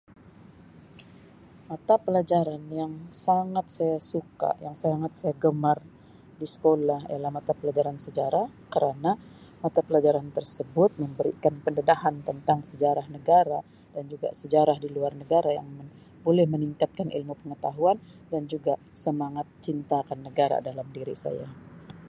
mata pelajaran yang sangat saya suka, yang sangat saya gemar di sekolah ialah mata pelajaran sejarah kerana mata pelajaran tersebut memberikan pendedahan tentang sejarah negara dan juga sejarah diluar negara yang boleh meningkatkan ilmu pengetahuan dan juga semangat cinta akan negara dalam diri saya.